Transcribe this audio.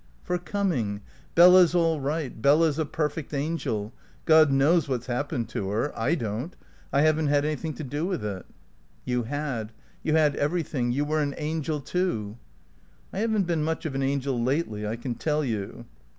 "For coming. Bella's all right. Bella's a perfect angel. God knows what's happened to her. I don't. I haven't had anything to do with it." "You had. You had everything. You were an angel, too." "I haven't been much of an angel lately, I can tell you."